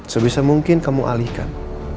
sebisa mungkin kamu alihkan